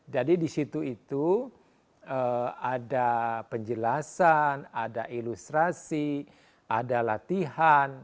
jadi di situ ada penjelasan ada ilustrasi ada latihan